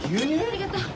ありがとう。